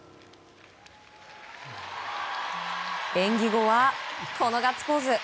演技後はこのガッツポーズ。